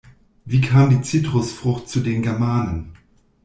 Wie kam die Zitrusfrucht zu den Germanen?